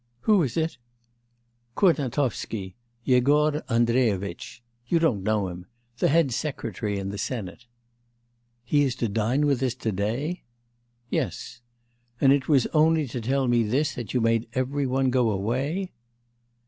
'Who is it?' 'Kurnatovsky, Yegor Andreyevitch. You don't know him. The head secretary in the senate.' 'He is to dine with us to day?' 'Yes.' 'And was it only to tell me this that you made every one go away?